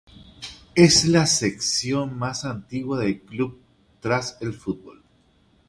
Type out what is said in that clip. Es la sección más antigua del club tras el fútbol.